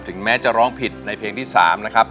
แม้จะร้องผิดในเพลงที่๓นะครับ